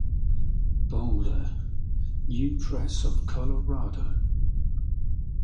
Boulder: U Press of Colorado.